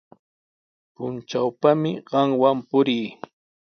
Puntrawpami qamwan purii.